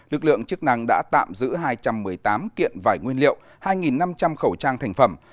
lực lượng chức năng đã tạm giữ hai trăm một mươi tám kiện vải nguyên liệu hai năm trăm linh khẩu trang thành phẩm